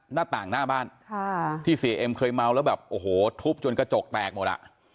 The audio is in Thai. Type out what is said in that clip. หน้าต่างหน้าบ้านที่เสียเอ็มเคยเมาแล้วแบบโอ้โหทุบจนกระจกแตกหมดอ่ะ